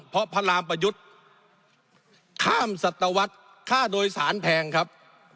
เพราะพระรามประยุทธ์ข้ามสัตวรรษค่าโดยสารแพงครับ